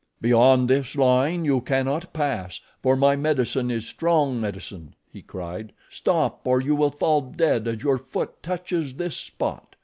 "Beyond this line you cannot pass, for my medicine is strong medicine," he cried. "Stop, or you will fall dead as your foot touches this spot.